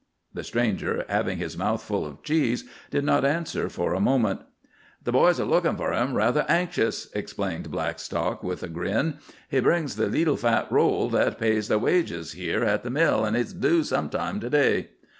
The stranger, having his mouth full of cheese, did not answer for a moment. "The boys are lookin' for him rather anxious," explained Blackstock with a grin. "He brings the leetle fat roll that pays their wages here at the mill, an' he's due sometime to day."